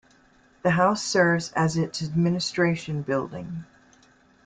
The house serves as its administration building.